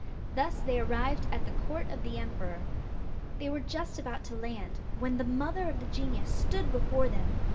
Thus they arrived at the court of the emperor. They were just about to land, when the mother of the genius stood before them.